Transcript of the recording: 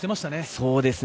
そうですね。